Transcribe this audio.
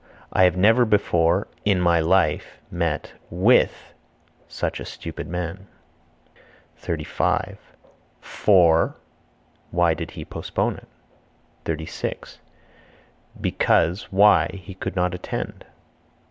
I never before (in my life) met (with) such a stupid man. 35. (For) why did he postpone it? 36. Because (why) he could not attend.